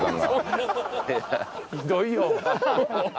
ひどいよ。